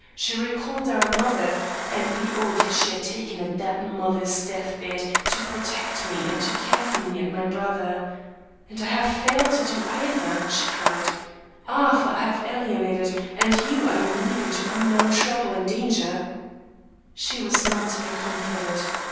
She recalled our mother, and the oath she had taken at that mother's death bed to protect me and care for me and my brother. 'And I have failed to do either,' she cried. 'Arthur, I have alienated, and you I am leaving to unknown trouble and danger,' "She was not to be comforted.